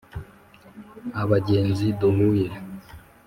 Abagenzi duhuye